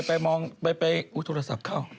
ไปมองไปโทรศัพท์เข้า